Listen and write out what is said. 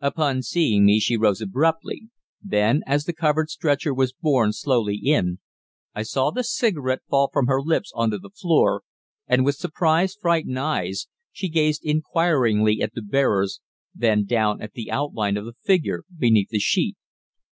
Upon seeing me she rose abruptly; then, as the covered stretcher was borne slowly in, I saw the cigarette fall from her lips on to the floor, and with surprised, frightened eyes, she gazed inquiringly at the bearers, then down at the outline of the figure beneath the sheet.